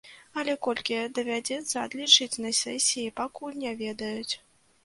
Але колькі давядзецца адлічыць на сесіі, пакуль не ведаюць.